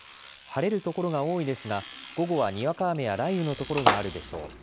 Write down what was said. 晴れる所が多いですが午後はにわか雨や雷雨の所があるでしょう。